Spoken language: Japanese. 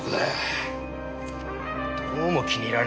どうも気に入らねえな。